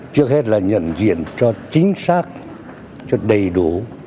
trước hết là nhận diện cho chính xác cho đầy đủ